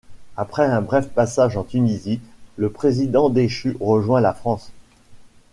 Après un bref passage en Tunisie, le Président déchu rejoint la France.